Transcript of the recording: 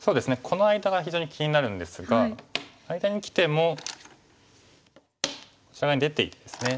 この間が非常に気になるんですが間にきてもこちら側に出ていってですね。